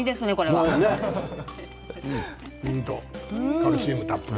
カルシウムたっぷり。